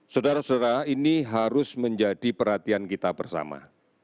saudara saudara ini harus menjadi perhatian kita bersama